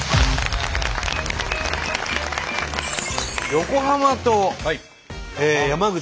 横浜と山口。